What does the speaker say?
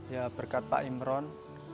ya berkat pak imron